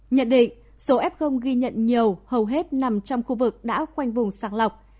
nhận định số f ghi nhận nhiều hầu hết nằm trong khu vực đã quanh vùng sang lọc